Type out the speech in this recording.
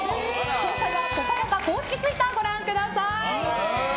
詳細は「ぽかぽか」公式ツイッターご覧ください。